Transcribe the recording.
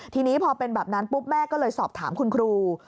ทีนี้พอเป็นแบบนั้นปุ๊บแม่ก็เลยสอบถามคุณครู